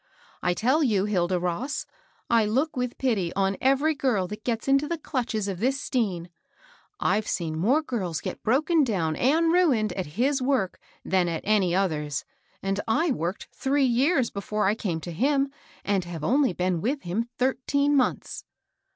I tell you, Hilda Ross, I look with pity on every girl that gets into the clutches of this Stean. I've seen more girls get broken down and ruined at his work than at any other's, and I worked three years before I came to him, and have only been with him thirteen months."